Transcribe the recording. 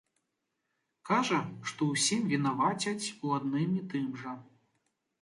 Кажа, што ўсім вінавацяць у адным і тым жа.